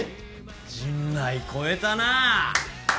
陣内超えたな！